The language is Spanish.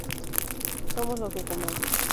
Somos lo que comemos